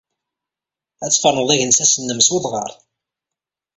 Ad tferneḍ agensas-nnem s wedɣar.